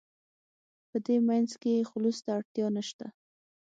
په دې منځ کې خلوص ته اړتیا نشته.